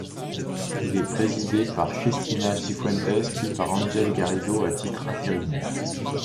Il est présidé par Cristina Cifuentes puis par Ángel Garrido à titre intérimaire.